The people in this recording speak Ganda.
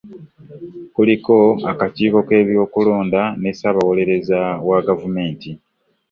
Kuliko akakiiko k'ebyokulonda ne Ssaabawolereza wa gavumenti